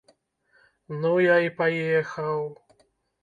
Ну я і паехаў.